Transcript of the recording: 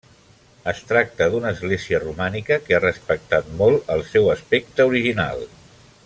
Es tracta d'una església romànica que ha respectat molt el seu aspecte original.